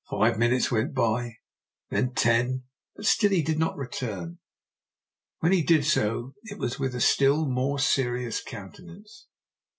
Five minutes went by and then ten, but still he did not return. When he did so it was with a still more serious countenance.